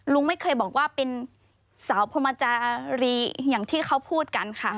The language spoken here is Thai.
ลุงไม่เคยบอกว่าเป็นสาวพรมจารีอย่างที่เขาพูดกันค่ะ